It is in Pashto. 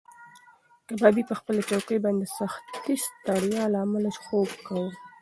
کبابي په خپله چوکۍ باندې د سختې ستړیا له امله خوب کاوه.